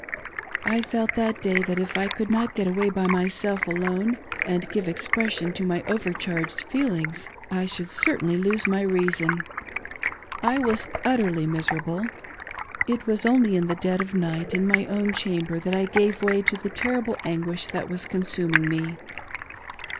I felt that day that if I could not get away by myself alone, and give expression to my overcharged feelings, I should cer tainly lose my reason. I was utterly miserable. It was only in the dead of night, in my own chamber, that I gave way to the terrible anguish that was consuming me.